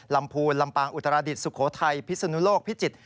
ลำพูนลำปางอุตราฤทธิ์สุโขทัยพิษณุโลกพิจิตร